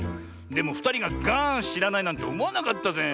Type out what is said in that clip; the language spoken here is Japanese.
でもふたりがガーンしらないなんておもわなかったぜ。